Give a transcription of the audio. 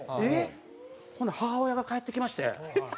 ほな母親が帰ってきまして。